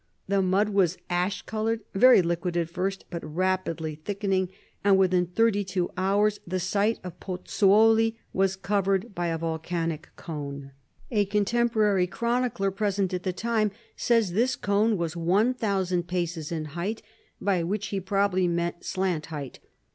The mud was ash colored, very liquid at first but rapidly thickening; and within thirty six hours the site of Pozzuoli was covered by a volcanic cone. A contemporary chronicler, present at the time, says this cone was one thousand paces in height; by which he probably meant slant height.